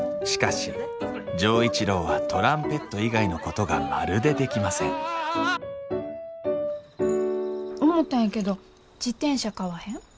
しかし錠一郎はトランペット以外のことがまるでできません思たんやけど自転車買わへん？